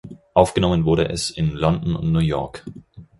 Aufgenommen wurde es in London und New York.